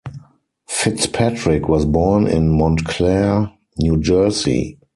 Fitzpatrick was born in Montclair, New Jersey.